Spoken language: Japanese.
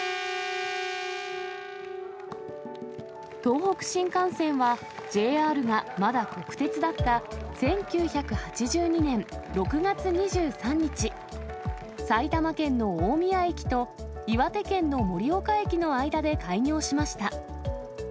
東北新幹線は、ＪＲがまだ国鉄だった１９８２年６月２３日、埼玉県の大宮駅と、岩手県の盛岡駅の間で開業しました。